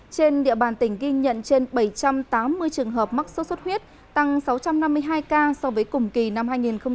trên địa bàn tỉnh ghi nhận trên bảy trăm tám mươi trường hợp mắc sốt xuất huyết tăng sáu trăm năm mươi hai ca so với cùng kỳ năm hai nghìn một mươi tám